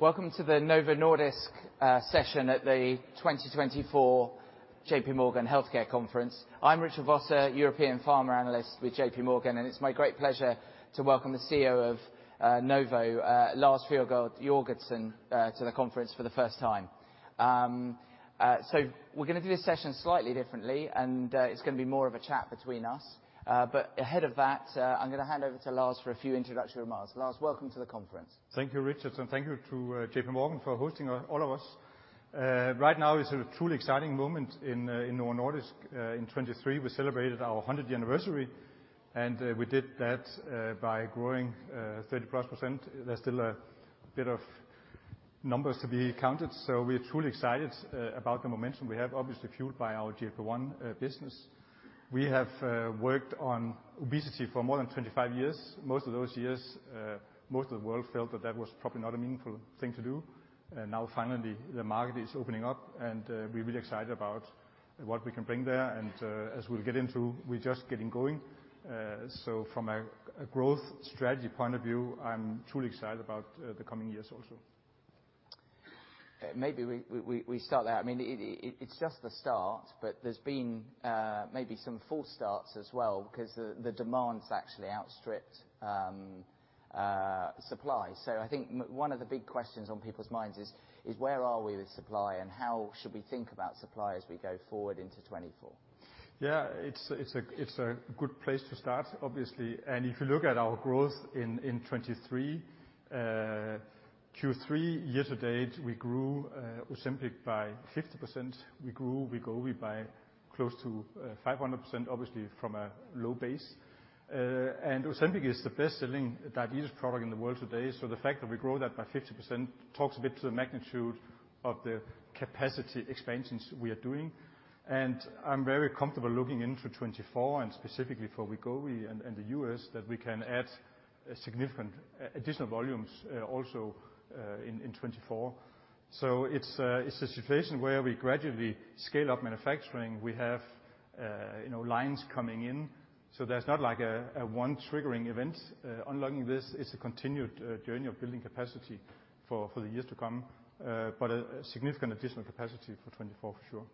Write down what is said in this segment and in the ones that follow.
Welcome to the Novo Nordisk session at the 2024 J.P. Morgan Healthcare Conference. I'm Richard Vosser, European Pharma analyst with J.P. Morgan, and it's my great pleasure to welcome the CEO of Novo Lars Fruergaard Jørgensen to the conference for the first time. So we're gonna do this session slightly differently, and it's gonna be more of a chat between us. But ahead of that, I'm gonna hand over to Lars for a few introductory remarks. Lars, welcome to the conference. Thank you Richard and thank you to J.P. Morgan for hosting all of us. Right now is a truly exciting moment in Novo Nordisk. In 2023, we celebrated our 100 anniversary, and we did that by growing 30+%. There's still a bit of numbers to be counted, so we are truly excited about the momentum we have, obviously fueled by our GLP-1 business. We have worked on obesity for more than 25 years. Most of those years, most of the world felt that that was probably not a meaningful thing to do, and now finally, the market is opening up, and we're really excited about what we can bring there. As we'll get into, we're just getting going. So from a growth strategy point of view, I'm truly excited about the coming years also. Maybe we start there. I mean, it's just the start, but there's been maybe some false starts as well, 'cause the demand's actually outstripped supply. So I think one of the big questions on people's minds is where are we with supply, and how should we think about supply as we go forward into 2024? Yeah, it's a good place to start, obviously. And if you look at our growth in 2023, Q3 year to date, we grew Ozempic by 50%. We grew Wegovy by close to 500%, obviously from a low base. And Ozempic is the best-selling diabetes product in the world today, so the fact that we grow that by 50% talks a bit to the magnitude of the capacity expansions we are doing. And I'm very comfortable looking into 2024 and specifically for Wegovy in the US, that we can add a significant additional volumes also in 2024. So it's a situation where we gradually scale up manufacturing. We have, you know, lines coming in, so there's not like a one triggering event. Unlocking this is a continued journey of building capacity for the years to come, but a significant additional capacity for 2024, for sure.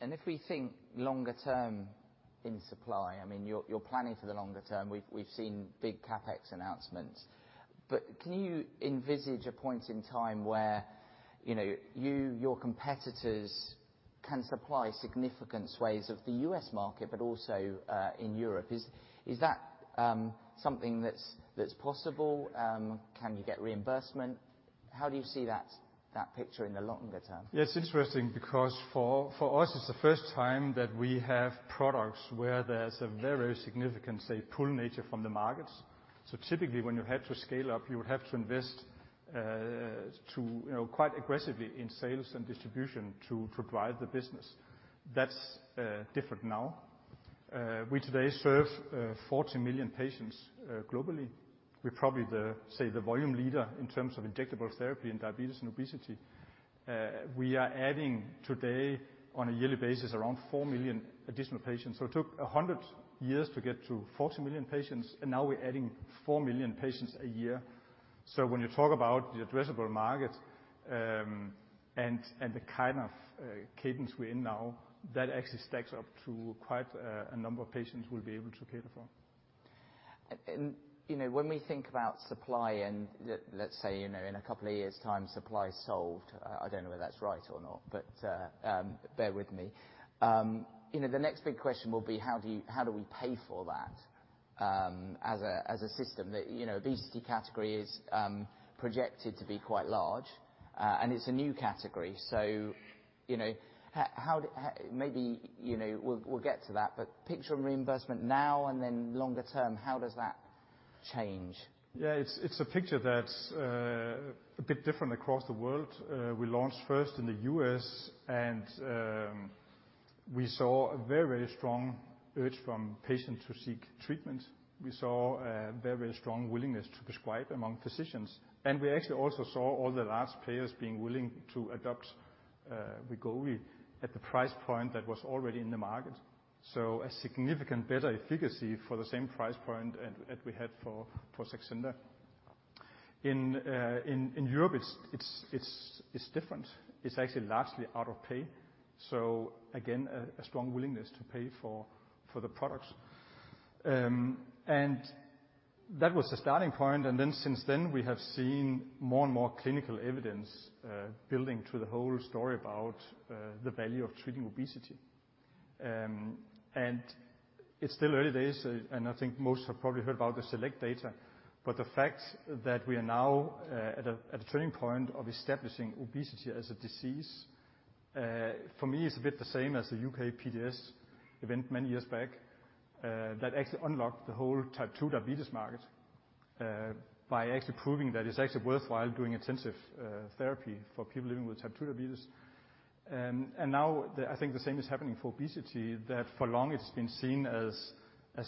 And if we think longer term in supply, I mean you're planning for the longer term. We've seen big CapEx announcements, but can you envisage a point in time where, you know, your competitors can supply significant swathes of the US market, but also in Europe? Is that something that's possible? Can you get reimbursement? How do you see that picture in the longer term? Yeah, it's interesting because for us, it's the first time that we have products where there's a very significant, say pull nature from the markets. So typically when you had to scale up, you would have to invest to, you know, quite aggressively in sales and distribution to drive the business. That's different now. We today serve 40 million patients globally. We're probably the, say, the volume leader in terms of injectable therapy in diabetes and obesity. We are adding today, on a yearly basis, around 4 million additional patients. So it took 100 years to get to 40 million patients, and now we're adding 4 million patients a year. So when you talk about the addressable market, and the kind of cadence we're in now, that actually stacks up to quite a number of patients we'll be able to cater for. You know, when we think about supply and, let's say, you know, in a couple of years' time, supply is solved. I don't know whether that's right or not, but bear with me. You know, the next big question will be: how do you- how do we pay for that, as a system? That, you know, obesity category is projected to be quite large, and it's a new category. So, you know, how, how... Maybe, you know, we'll, we'll get to that, but picture on reimbursement now and then longer term, how does that change? Yeah, it's a picture that's a bit different across the world. We launched first in the US, and we saw a very, very strong urge from patients to seek treatment. We saw a very, very strong willingness to prescribe among physicians, and we actually also saw all the payers being willing to adopt Wegovy at the price point that was already in the market. So a significant better efficacy for the same price point as we had for Saxenda. In Europe, it's different. It's actually largely out of pay, so again, a strong willingness to pay for the products. And that was the starting point, and then since then, we have seen more and more clinical evidence building to the whole story about the value of treating obesity. It's still early days and I think most have probably heard about the SELECT data, but the fact that we are now at a turning point of establishing obesity as a disease. For me, it's a bit the same as the UKPDS event many years back, that actually unlocked the whole Type 2 diabetes market by actually proving that it's actually worthwhile doing intensive therapy for people living with Type 2 diabetes. And now, I think the same is happening for obesity, that for long it's been seen as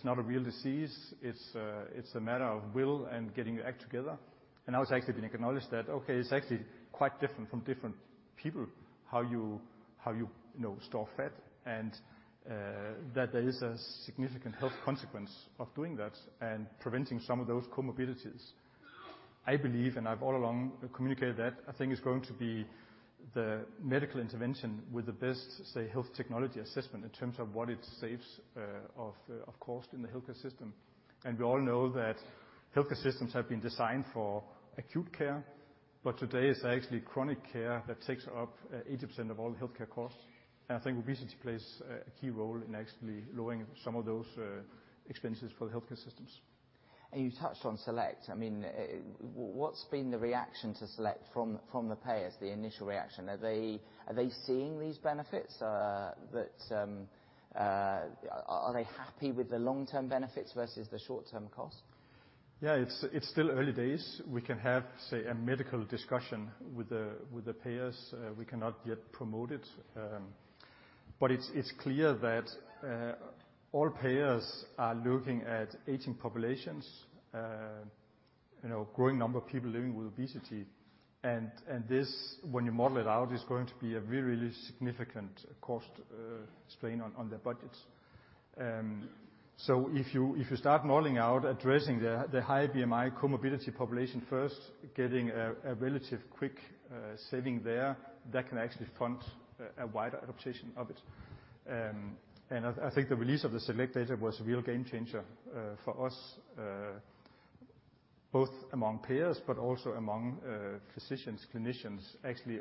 not a real disease. It's a matter of will and getting your act together, and now it's actually been acknowledged that, okay it's actually quite different from different people, how you, you know, store fat and that there is a significant health consequence of doing that and preventing some of those comorbidities. I believe, and I've all along communicated that, I think it's going to be the medical intervention with the best, say, health technology assessment in terms of what it saves, of course, in the healthcare system. We all know that healthcare systems have been designed for acute care, but today it's actually chronic care that takes up 80% of all healthcare costs. I think obesity plays a key role in actually lowering some of those expenses for the healthcare systems. And you touched on SELECT. I mean, what's been the reaction to SELECT from the payers, the initial reaction? Are they seeing these benefits? Are they happy with the long-term benefits versus the short-term cost? Yeah, it's, it's still early days. We can have, say, a medical discussion with the, with the payers. We cannot yet promote it, but it's, it's clear that all payers are looking at aging populations, you know, growing number of people living with obesity. And, and this, when you model it out, is going to be a really significant cost strain on their budgets. So if you, if you start modeling out, addressing the high BMI comorbidity population first, getting a relative quick saving there, that can actually fund a wider adaptation of it. And I think the release of the SELECT data was a real game changer for us, both among payers, but also among physicians, clinicians, actually,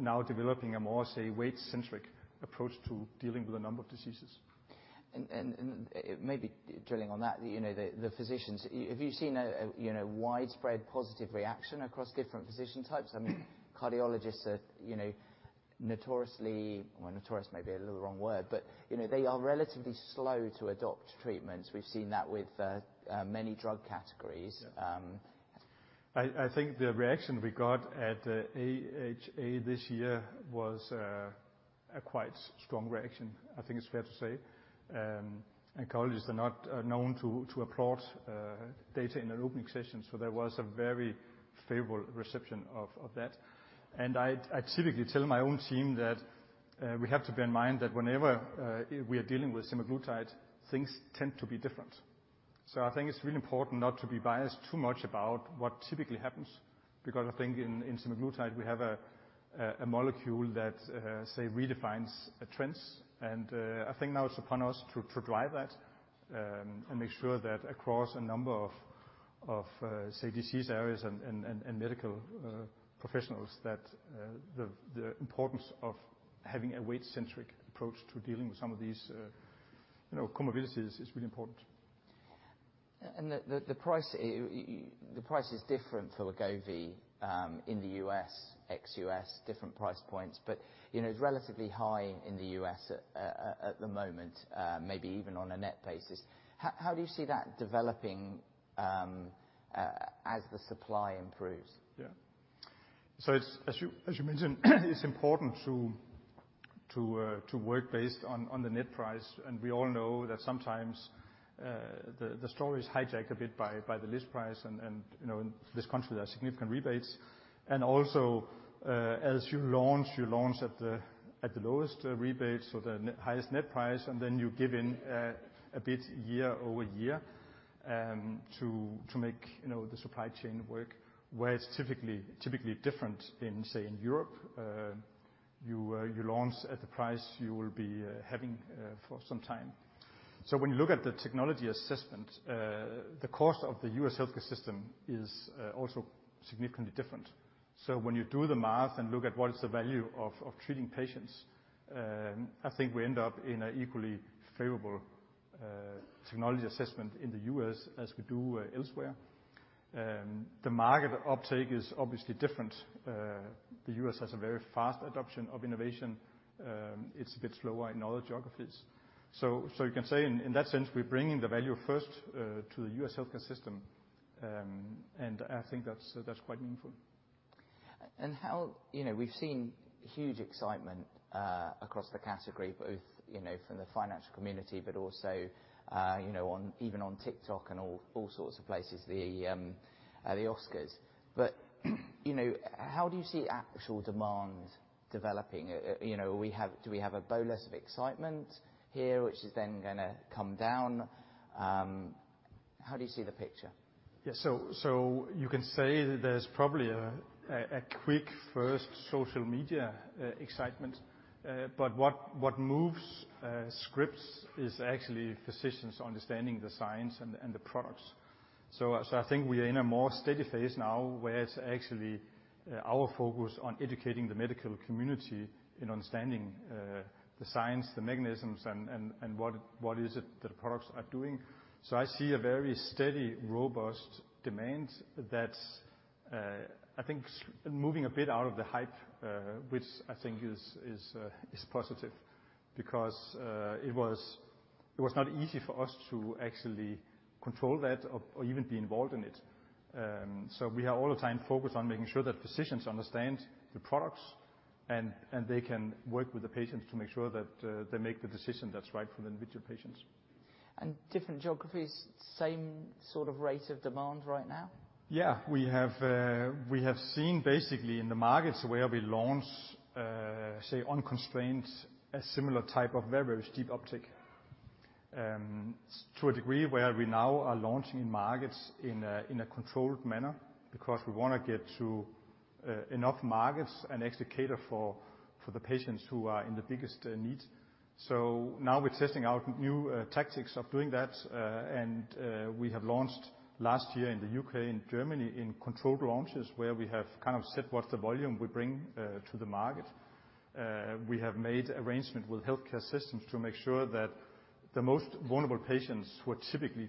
now developing a more, say, weight-centric approach to dealing with a number of diseases. Maybe drilling on that, you know, the physicians. Have you seen a, you know, widespread positive reaction across different physician types? I mean, cardiologists are, you know, notoriously... Well, notorious may be a little wrong word, but, you know, they are relatively slow to adopt treatments. We've seen that with many drug categories. I think the reaction we got at AHA this year was a quite strong reaction, I think it's fair to say. And cardiologists are not known to applaud data in an opening session, so there was a very favorable reception of that. And I typically tell my own team that we have to bear in mind that whenever we are dealing with semaglutide, things tend to be different. So I think it's really important not to be biased too much about what typically happens, because I think in semaglutide, we have a molecule that say redefines trends. I think now it's upon us to drive that, and make sure that across a number of, say, disease areas and medical professionals, that the importance of having a weight-centric approach to dealing with some of these, you know, comorbidities is really important. And the price is different for Wegovy in the US, ex-US, different price points. But, you know, it's relatively high in the US at the moment, maybe even on a net basis. How do you see that developing as the supply improves? Yeah. So as you mentioned, it's important to work based on the net price, and we all know that sometimes the story is hijacked a bit by the list price, and you know, in this country, there are significant rebates. And also, as you launch, you launch at the lowest rebate, so the net highest net price, and then you give in a bit year-over-year to make you know the supply chain work. Where it's typically different in, say, in Europe, you launch at the price you will be having for some time. So when you look at the technology assessment, the cost of the US healthcare system is also significantly different. So when you do the math and look at what is the value of treating patients, I think we end up in an equally favorable technology assessment in the US as we do elsewhere. The market uptake is obviously different. The US has a very fast adoption of innovation. It's a bit slower in other geographies. So you can say in that sense, we're bringing the value first to the US healthcare system, and I think that's quite meaningful. And how, you know, we've seen huge excitement across the category, both, you know, from the financial community, but also, you know, even on TikTok and all sorts of places, the Oscars. But, you know, how do you see actual demand developing? You know, do we have a bolus of excitement here, which is then gonna come down? How do you see the picture? Yeah. So you can say there's probably a quick first social media excitement. But what moves scripts is actually physicians understanding the science and the products. So I think we are in a more steady phase now, where it's actually our focus on educating the medical community in understanding the science, the mechanisms, and what is it that the products are doing. So I see a very steady, robust demand that's, I think, moving a bit out of the hype, which I think is positive. Because it was not easy for us to actually control that or even be involved in it. We are all the time focused on making sure that physicians understand the products, and they can work with the patients to make sure that they make the decision that's right for the individual patients. Different geographies, same sort of rate of demand right now? Yeah. We have, we have seen basically in the markets where we launch, say, unconstrained, a similar type of very steep uptick to a degree where we now are launching in markets in a controlled manner, because we want to get to enough markets and actually cater for the patients who are in the biggest need. So now we're testing out new tactics of doing that. And we have launched last year in the UK and Germany in controlled launches, where we have kind of set what's the volume we bring to the market. We have made arrangement with healthcare systems to make sure that the most vulnerable patients, who are typically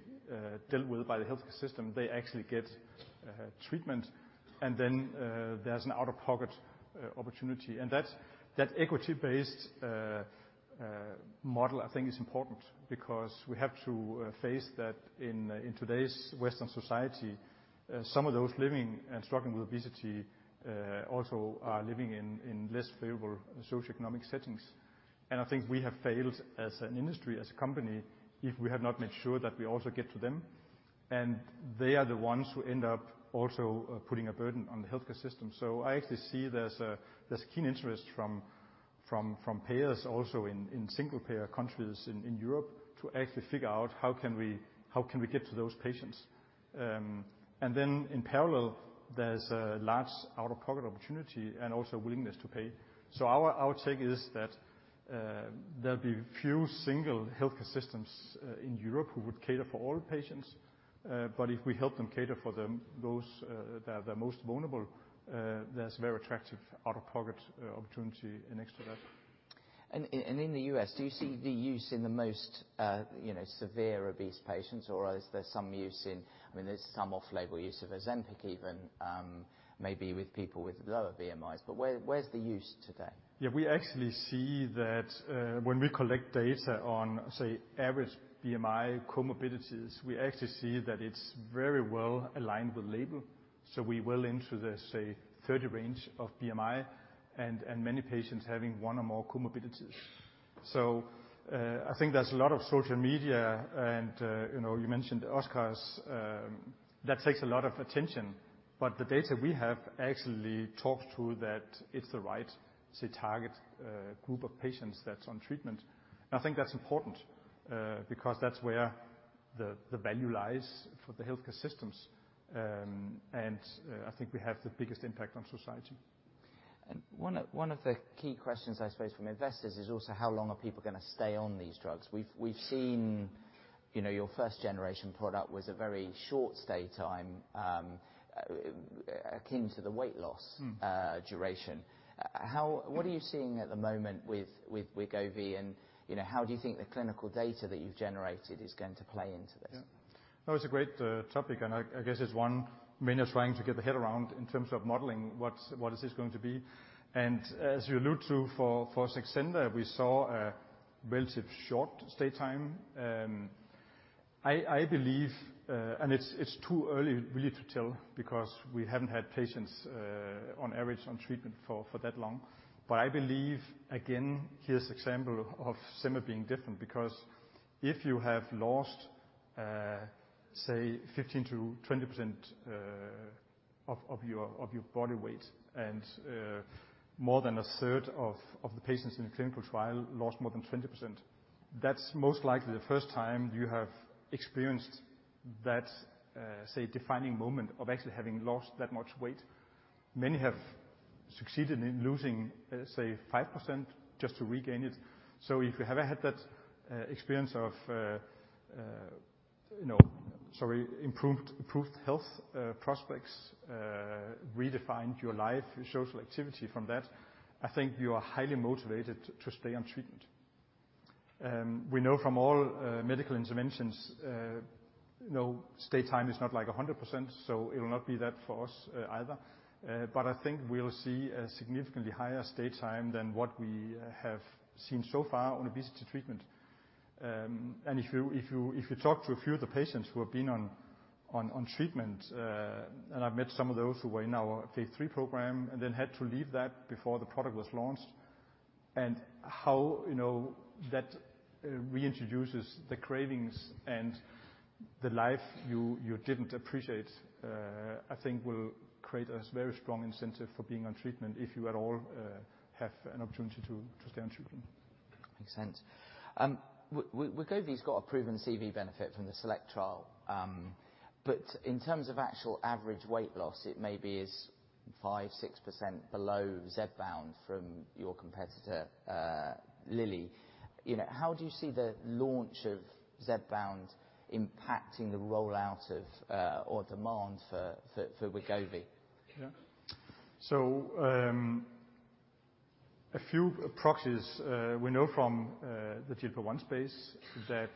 dealt with by the healthcare system, they actually get treatment, and then there's an out-of-pocket opportunity. That equity-based model, I think, is important, because we have to face that in today's Western society, some of those living and struggling with obesity also are living in less favorable socioeconomic settings. And I think we have failed as an industry, as a company, if we have not made sure that we also get to them, and they are the ones who end up also putting a burden on the healthcare system. So I actually see there's keen interest from payers also in single-payer countries in Europe, to actually figure out how can we get to those patients? And then in parallel, there's a large out-of-pocket opportunity, and also a willingness to pay. So our take is that there'll be few single healthcare systems in Europe who would cater for all patients. But if we help them cater for those that are the most vulnerable, there's a very attractive out-of-pocket opportunity next to that. In the U.S., do you see the use in the most, you know, severe obese patients, or is there some use in... I mean, there's some off-label use of Ozempic, even, maybe with people with lower BMIs. But where, where's the use today? Yeah, we actually see that, when we collect data on, say, average BMI comorbidities, we actually see that it's very well aligned with label, so we're well into the, say, 30 range of BMI and many patients having one or more comorbidities. So, I think there's a lot of social media, and, you know, you mentioned Oscars, that takes a lot of attention. But the data we have actually talks to that it's the right, say, target group of patients that's on treatment. And I think that's important, because that's where the value lies for the healthcare systems. And I think we have the biggest impact on society. One of the key questions, I suppose, from investors is also how long are people gonna stay on these drugs? We've seen, you know, your first generation product was a very short stay time, akin to the weight loss- Mm. Duration. What are you seeing at the moment with Wegovy, and, you know, how do you think the clinical data that you've generated is going to play into this? Yeah. No, it's a great topic, and I guess it's one many are trying to get their head around in terms of modeling what's what is this going to be? And as you allude to, for Saxenda, we saw a relatively short stay time. I believe, and it's too early really to tell, because we haven't had patients on average on treatment for that long. But I believe, again, here's example of CagriSema being different, because if you have lost say 15% to 20% of your body weight, and more than a third of the patients in the clinical trial lost more than 20%, that's most likely the first time you have experienced that say defining moment of actually having lost that much weight. Many have succeeded in losing, say, 5%, just to regain it. So if you haven't had that experience of, you know, sorry, improved health prospects, redefined your life, your social activity from that, I think you are highly motivated to stay on treatment. We know from all medical interventions, you know, stay time is not, like, 100%, so it will not be that for us, either. But I think we'll see a significantly higher stay time than what we have seen so far on obesity treatment. And if you talk to a few of the patients who have been on treatment, and I've met some of those who were in our Phase 3 program, and then had to leave that before the product was launched, and how, you know, that reintroduces the cravings and the life you didn't appreciate, I think will create a very strong incentive for being on treatment, if you at all have an opportunity to stay on treatment. Makes sense. Wegovy's got a proven CV benefit from the SELECT trial, but in terms of actual average weight loss, it may be is 5% to 6% below Zepbound from your competitor, Lilly. You know, how do you see the launch of Zepbound impacting the rollout of, or demand for Wegovy? Yeah. So, a few proxies, we know from the GLP-1 space, that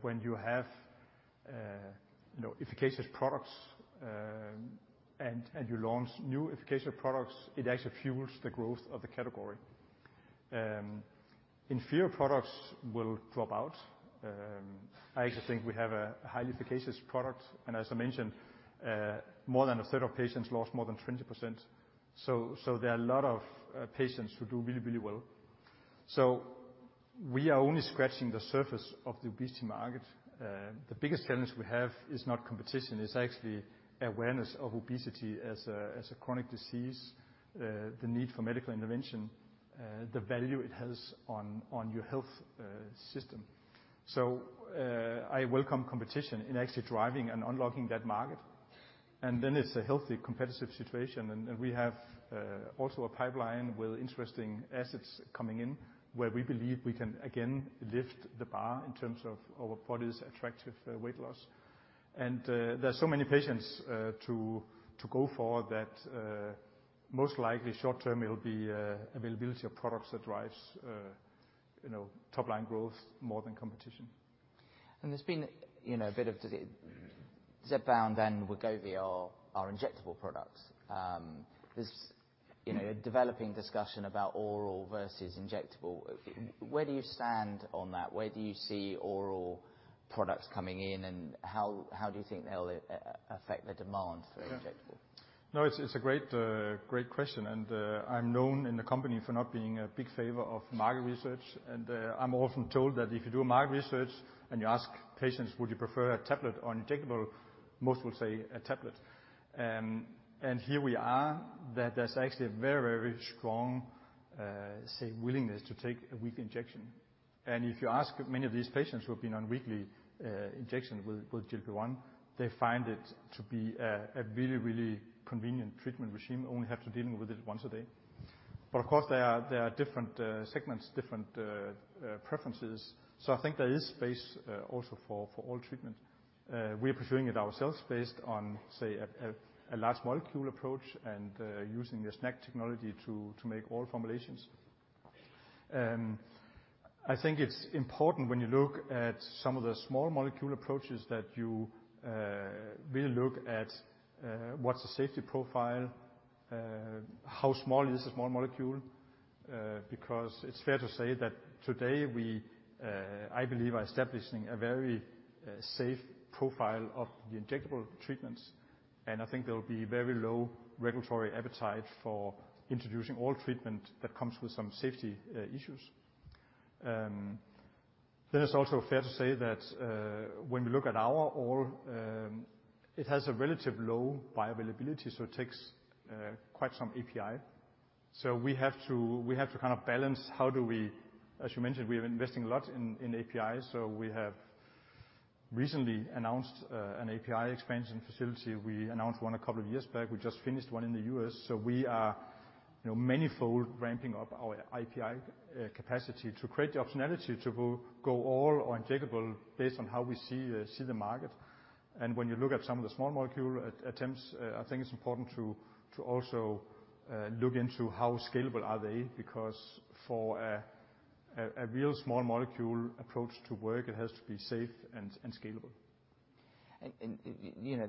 when you have, you know, efficacious products, and, and you launch new efficacious products, it actually fuels the growth of the category. Inferior products will drop out. I actually think we have a high efficacious product, and as I mentioned, more than a third of patients lost more than 20%, so, so there are a lot of patients who do really, really well. So we are only scratching the surface of the obesity market. The biggest challenge we have is not competition, it's actually awareness of obesity as a, as a chronic disease, the need for medical intervention, the value it has on, on your health, system. So, I welcome competition in actually driving and unlocking that market, and then it's a healthy, competitive situation. And we have also a pipeline with interesting assets coming in, where we believe we can again lift the bar in terms of our body's attractive weight loss. And there are so many patients to go for that, most likely short term it'll be availability of products that drives you know top line growth more than competition. There's been, you know, Zepbound and Wegovy are injectable products. There's, you know, a developing discussion about oral versus injectable. Where do you stand on that? Where do you see oral products coming in, and how do you think they'll affect the demand for injectable? No, it's a great, great question, and, I'm known in the company for not being a big favor of market research. And, I'm often told that if you do market research and you ask patients: Would you prefer a tablet or injectable? Most will say a tablet. And here we are, that there's actually a very, very strong, say, willingness to take a weekly injection. And if you ask many of these patients who have been on weekly, injections with, with GLP-1, they find it to be a, a really, really convenient treatment regime. Only have to dealing with it once a day. But of course, there are, there are different, segments, different, preferences. So I think there is space, also for, for all treatment. We are pursuing it ourselves based on, say, a large molecule approach and using the SNAC technology to make oral formulations. I think it's important when you look at some of the small molecule approaches, that you really look at what's the safety profile, how small is the small molecule? Because it's fair to say that today we, I believe, are establishing a very safe profile of the injectable treatments, and I think there will be very low regulatory appetite for introducing oral treatment that comes with some safety issues. Then it's also fair to say that, when you look at our oral, it has a relatively low bioavailability, so it takes quite some API. So we have to, we have to kind of balance how do we, as you mentioned, we are investing a lot in API, so we have recently announced an API expansion facility. We announced one a couple of years back. We just finished one in the US, so we are, you know, manifold ramping up our API capacity to create the optionality to go all or injectable based on how we see the market. And when you look at some of the small molecule attempts, I think it's important to also look into how scalable are they, because for a real small molecule approach to work, it has to be safe and scalable. And, you know,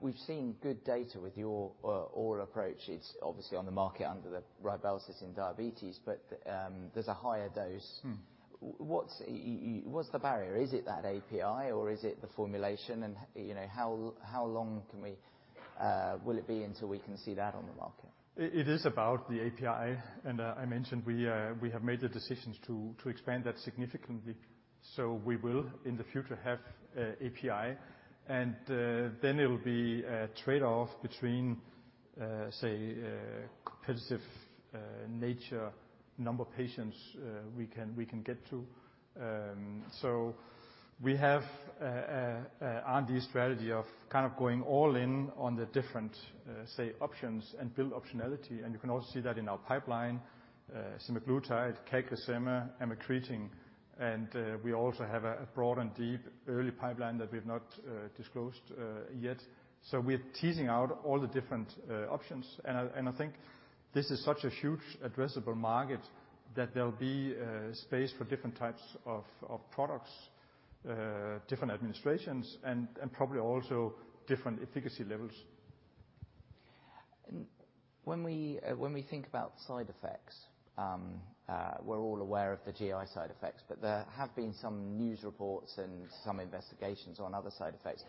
we've seen good data with your oral approach. It's obviously on the market under Rybelsus in diabetes, but there's a higher dose. Mm. What's the barrier? Is it that API, or is it the formulation? And, you know, how long can we, will it be until we can see that on the market? It is about the API, and I mentioned we have made the decisions to expand that significantly. So we will, in the future, have API, and then it will be a trade-off between say competitive nature, number of patients we can get to. So we have a R&D strategy of kind of going all in on the different say options and build optionality, and you can also see that in our pipeline semaglutide, CagriSema, amycretin, and we also have a broad and deep early pipeline that we've not disclosed yet. So we're teasing out all the different options. And I think this is such a huge addressable market, that there'll be space for different types of products, different administrations and probably also different efficacy levels. When we think about side effects, we're all aware of the GI side effects, but there have been some news reports and some investigations on other side effects.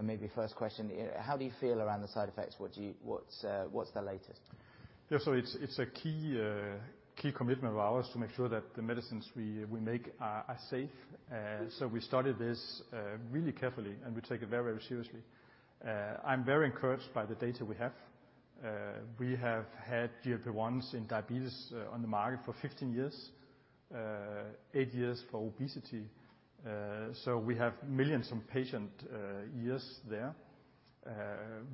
Maybe first question, how do you feel around the side effects? What do you... What's, what's the latest? Yeah, so it's a key commitment of ours to make sure that the medicines we make are safe. So we studied this really carefully, and we take it very, very seriously. I'm very encouraged by the data we have. We have had GLP-1s in diabetes on the market for 15 years, 8 years for obesity. So we have millions of patient years there.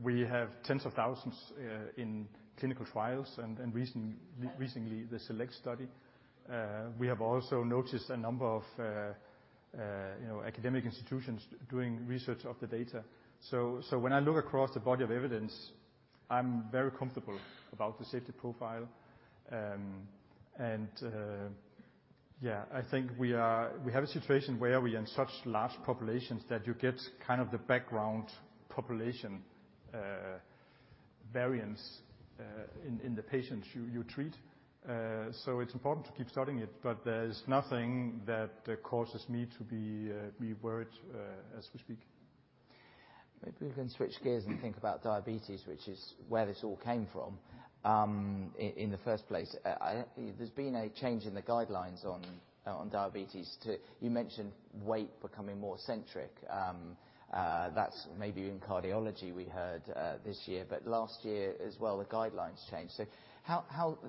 We have tens of thousands in clinical trials and, recently, the SELECT study. We have also noticed a number of, you know, academic institutions doing research of the data. So when I look across the body of evidence, I'm very comfortable about the safety profile. Yeah, I think we have a situation where we are in such large populations that you get kind of the background population variance in the patients you treat. So it's important to keep studying it, but there's nothing that causes me to be worried as we speak. Maybe we can switch gears and think about diabetes, which is where this all came from, in the first place. There's been a change in the guidelines on diabetes to. You mentioned weight becoming more centric. That's maybe in cardiology, we heard, this year, but last year as well, the guidelines changed. So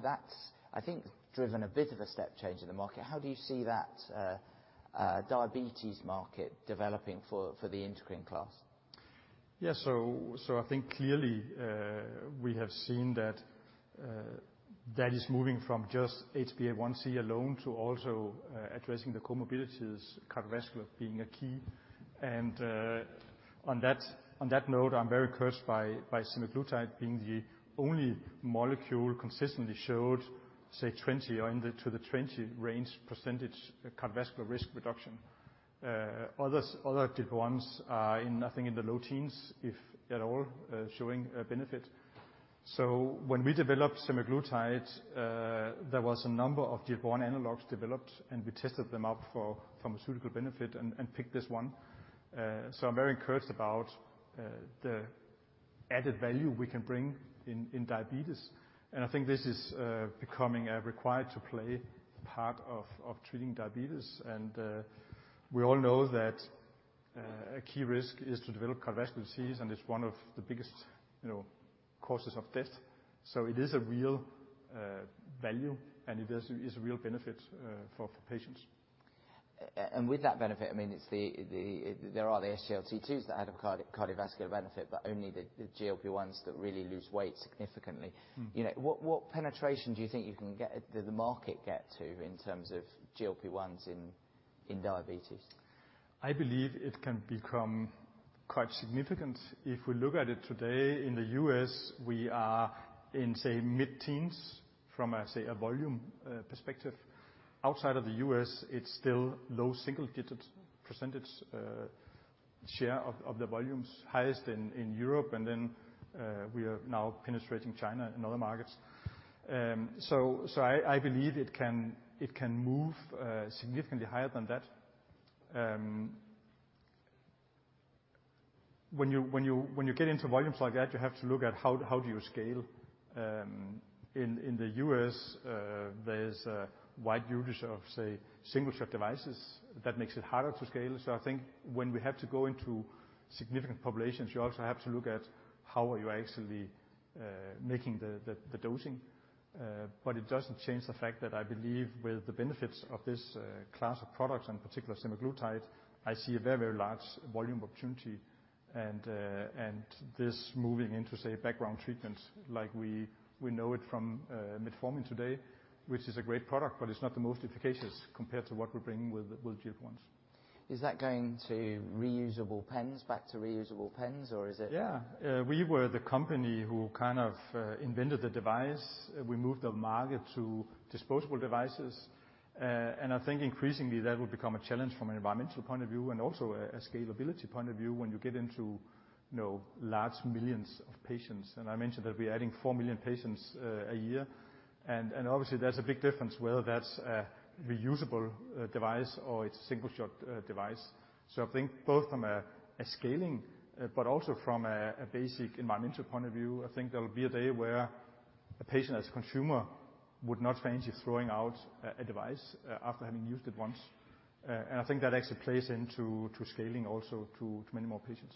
that's, I think, driven a bit of a step change in the market. How do you see that diabetes market developing for the incretin class? Yeah. So, so I think clearly, we have seen that, that is moving from just HbA1c alone to also, addressing the comorbidities, cardiovascular being a key. And, on that, on that note, I'm very encouraged by, by semaglutide being the only molecule consistently showed, say, 20 or in the to the 20 range % cardiovascular risk reduction. Others, other GLP-1s are in, I think, in the low teens, if at all, showing a benefit. So when we developed semaglutide, there was a number of GLP-1 analogs developed, and we tested them out for pharmaceutical benefit and, and picked this one. So I'm very encouraged about, the added value we can bring in, in diabetes, and I think this is, becoming a required to play part of, of treating diabetes. We all know that a key risk is to develop cardiovascular disease, and it's one of the biggest, you know, causes of death. It is a real value, and it is a real benefit for patients. And with that benefit, I mean, there are the SGLT2s that had a cardiovascular benefit, but only the GLP-1s that really lose weight significantly. Mm. You know, what penetration do you think you can get, the market get to in terms of GLP-1s in diabetes? I believe it can become quite significant. If we look at it today, in the US, we are in, say, mid-teens, from a, say, a volume perspective. Outside of the US., it's still low single digits % share of the volumes, highest in Europe, and then we are now penetrating China and other markets. So I believe it can move significantly higher than that. When you get into volumes like that, you have to look at how do you scale? In the US, there's a wide usage of, say, single-shot devices. That makes it harder to scale. So I think when we have to go into significant populations, you also have to look at how are you actually making the dosing. But it doesn't change the fact that I believe with the benefits of this class of products, and particularly semaglutide, I see a very, very large volume opportunity, and this moving into, say, background treatments like we know it from metformin today, which is a great product, but it's not the most efficacious compared to what we're bringing with GLP-1s. Is that going to reusable pens, back to reusable pens, or is it- Yeah. We were the company who kind of invented the device. We moved the market to disposable devices, and I think increasingly that will become a challenge from an environmental point of view, and also a scalability point of view when you get into, you know, large millions of patients. And I mentioned that we're adding 4 million patients a year, and obviously, there's a big difference whether that's a reusable device or it's a single-shot device. So I think both from a scaling, but also from a basic environmental point of view, I think there will be a day where a patient, as a consumer, would not fancy throwing out a device after having used it once. And I think that actually plays into scaling also to many more patients.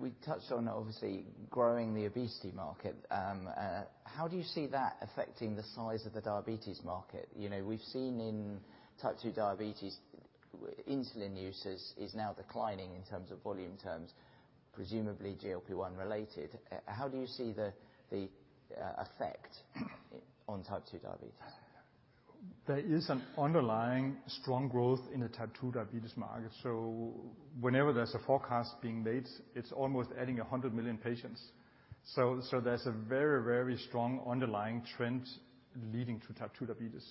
We touched on, obviously, growing the obesity market. How do you see that affecting the size of the diabetes market? You know, we've seen in Type 2 diabetes, insulin users is now declining in terms of volume terms, presumably GLP-1 related. How do you see the effect on Type 2 diabetes? There is an underlying strong growth in the Type 2 diabetes market. So whenever there's a forecast being made, it's almost adding 100 million patients. So there's a very, very strong underlying trend leading to Type 2 diabetes.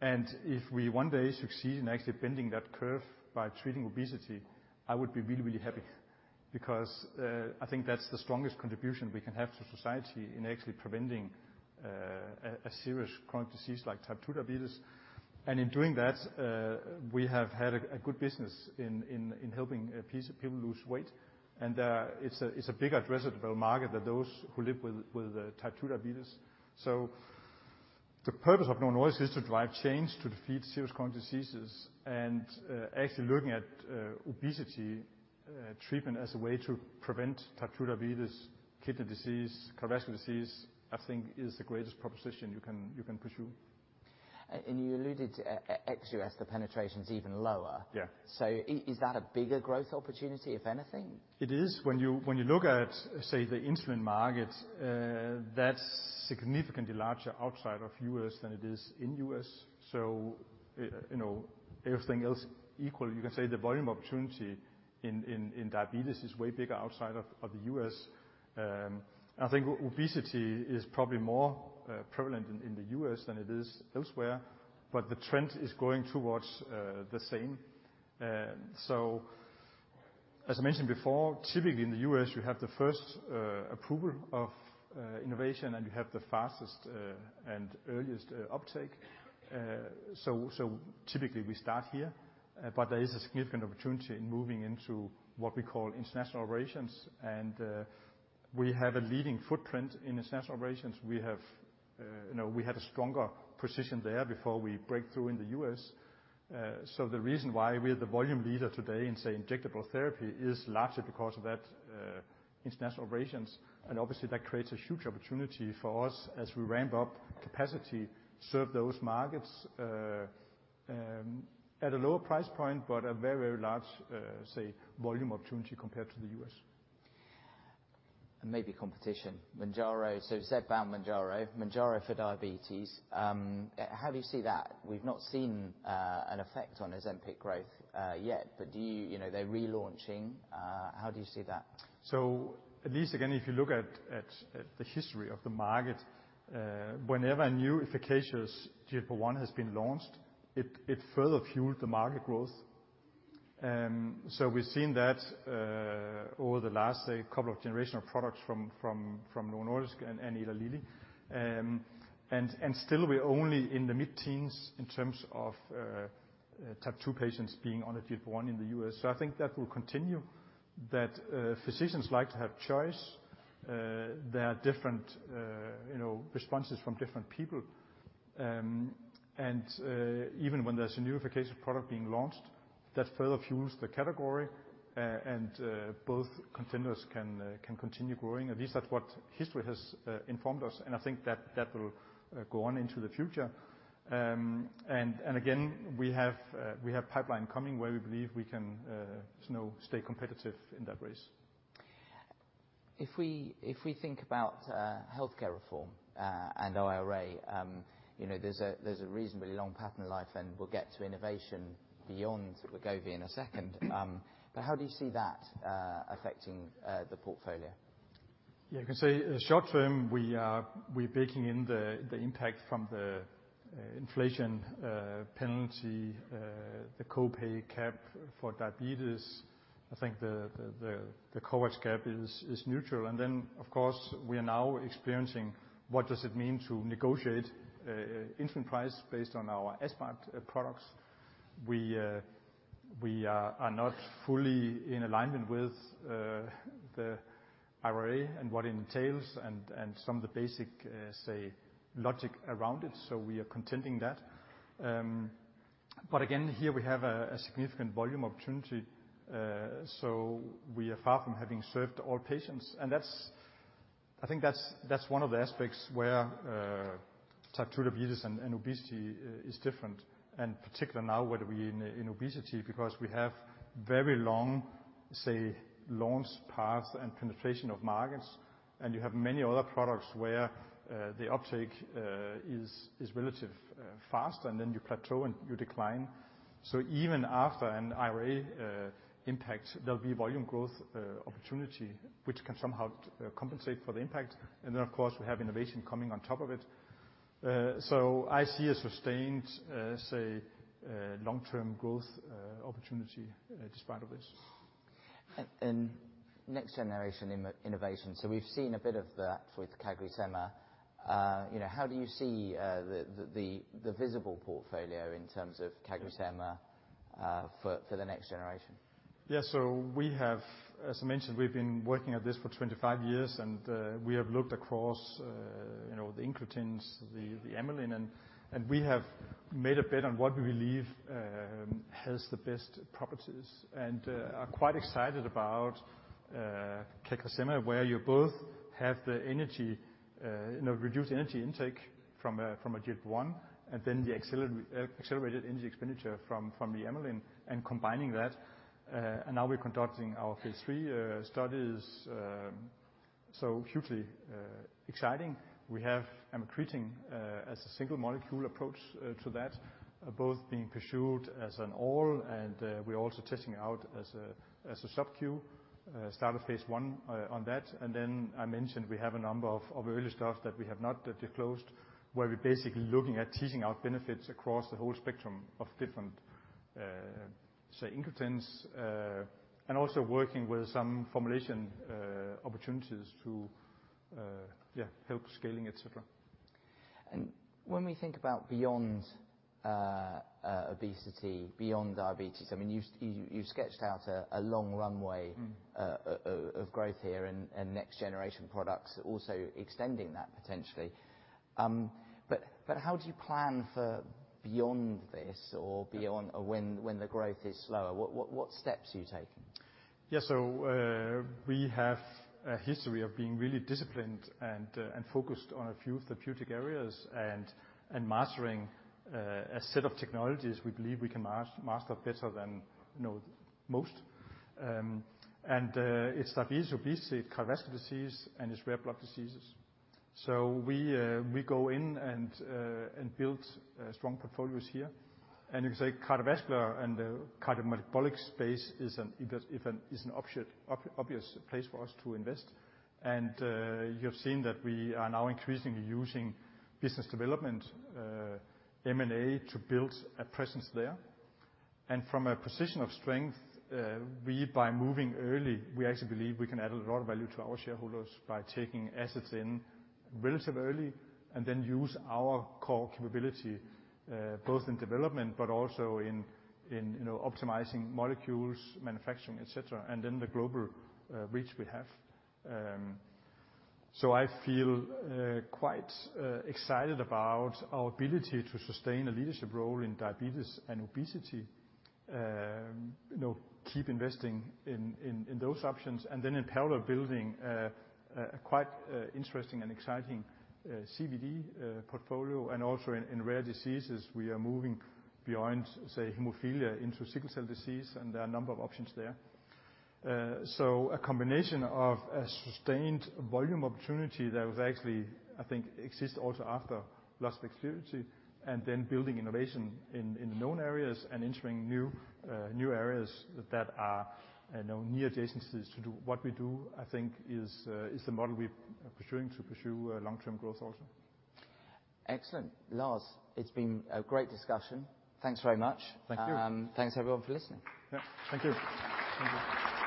And if we one day succeed in actually bending that curve by treating obesity, I would be really, really happy because I think that's the strongest contribution we can have to society in actually preventing a serious chronic disease like Type 2 diabetes. And in doing that, we have had a good business in helping people lose weight. And it's a big addressable market that those who live with Type 2 diabetes. So the purpose of Novo Nordisk is to drive change, to defeat serious chronic diseases and, actually, looking at obesity treatment as a way to prevent Type 2 diabetes, kidney disease, cardiovascular disease, I think, is the greatest proposition you can, you can pursue. You alluded to ex-US, the penetration is even lower. Yeah. So is that a bigger growth opportunity, if anything? It is. When you look at, say, the insulin market, that's significantly larger outside of US than it is in US So, you know, everything else equal, you can say the volume opportunity in diabetes is way bigger outside of the US And I think obesity is probably more prevalent in the US than it is elsewhere, but the trend is going towards the same. So as I mentioned before, typically in the US, you have the first approval of innovation, and you have the fastest and earliest uptake. So, typically we start here... but there is a significant opportunity in moving into what we call international operations. And we have a leading footprint in international operations. We have, you know, we had a stronger position there before we break through in the U.S. So the reason why we are the volume leader today in, say, injectable therapy, is largely because of that, international operations, and obviously, that creates a huge opportunity for us as we ramp up capacity to serve those markets, at a lower price point, but a very, very large, say, volume opportunity compared to the U.S. Maybe competition. Mounjaro, so you said about Mounjaro, Mounjaro for diabetes. How do you see that? We've not seen an effect on Ozempic growth yet, but do you, you know, they're relaunching. How do you see that? So at least again, if you look at the history of the market, whenever a new efficacious GLP-1 has been launched, it further fueled the market growth. So we've seen that over the last, say, couple of generational products from Novo Nordisk and Eli Lilly. And still we're only in the mid-teens in terms of Type 2 patients being on a GLP-1 in the U.S. So I think that will continue, that physicians like to have choice. There are different, you know, responses from different people. And even when there's a new effective product being launched, that further fuels the category, and both contenders can continue growing. At least that's what history has informed us, and I think that will go on into the future. And again, we have pipeline coming where we believe we can, you know, stay competitive in that race. If we think about healthcare reform and IRA, you know, there's a reasonably long path in life, and we'll get to innovation beyond Wegovy in a second. Mm-hmm. How do you see that affecting the portfolio? Yeah, you can say short term, we are—we're baking in the impact from the inflation penalty, the co-pay cap for diabetes. I think the coverage cap is neutral. And then, of course, we are now experiencing what does it mean to negotiate insulin price based on our aspart products. We are not fully in alignment with the IRA and what it entails and some of the basic say logic around it, so we are contending that. But again, here we have a significant volume opportunity, so we are far from having served all patients. And that's... I think that's one of the aspects where type 2 diabetes and obesity is different, and particularly now in obesity, because we have very long, say, launch paths and penetration of markets, and you have many other products where the uptake is relatively fast, and then you plateau and you decline. So even after an IRA impact, there'll be volume growth opportunity, which can somehow compensate for the impact. And then, of course, we have innovation coming on top of it. So I see a sustained, say, long-term growth opportunity, despite of this. Next generation innovation, so we've seen a bit of that with CagriSema. You know, how do you see the visible portfolio in terms of CagriSema for the next generation? Yeah, so we have, as I mentioned, we've been working at this for 25 years, and we have looked across, you know, the incretins, the amylin, and we have made a bet on what we believe has the best properties. And are quite excited about CagriSema, where you both have the energy, you know, reduced energy intake from a GLP-1, and then the accelerated energy expenditure from the amylin, and combining that. And now we're conducting our Phase III studies, so hugely exciting. We have amycretin as a single molecule approach to that, both being pursued as an oral, and we're also testing out as a Sub-Q, start of Phase 1, on that. Then I mentioned we have a number of early stuff that we have not disclosed, where we're basically looking at teasing out benefits across the whole spectrum of different, say, incretins, and also working with some formulation opportunities to, yeah, help scaling, et cetera. When we think about beyond obesity, beyond diabetes, I mean you've sketched out a long runway- Mm... of growth here and next-generation products also extending that potentially. But how do you plan for beyond this or beyond... or when the growth is slower? What steps are you taking? Yeah, so, we have a history of being really disciplined and, and focused on a few therapeutic areas and, and mastering, a set of technologies we believe we can master better than, you know, most. It's diabetes, obesity, cardiovascular disease, and it's rare blood diseases. So we, we go in and, and build, strong portfolios here. And you can say cardiovascular and the cardiometabolic space is an obvious place for us to invest. And, you have seen that we are now increasingly using business development, M&A, to build a presence there. From a position of strength, by moving early, we actually believe we can add a lot of value to our shareholders by taking assets in relatively early and then use our core capability, both in development but also in you know, optimizing molecules, manufacturing, et cetera, and then the global reach we have. So I feel quite excited about our ability to sustain a leadership role in diabetes and obesity, you know, keep investing in those options, and then in parallel, building a quite interesting and exciting CVD portfolio. And also in rare diseases, we are moving beyond, say hemophilia into sickle cell disease, and there are a number of options there. So a combination of a sustained volume opportunity that was actually, I think, exists also after loss of exclusivity, and then building innovation in the known areas and entering new, new areas that are, you know, near adjacencies to do what we do, I think is the model we're pursuing to pursue long-term growth also. Excellent. Lars, it's been a great discussion. Thanks very much. Thank you. Thanks everyone for listening. Yeah. Thank you. Thank you.